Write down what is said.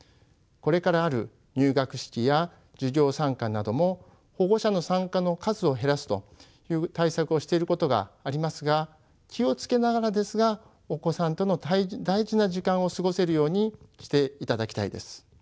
これからある入学式や授業参観なども保護者の参加の数を減らすという対策をしていることがありますが気を付けながらですがお子さんとの大事な時間を過ごせるようにしていただきたいです。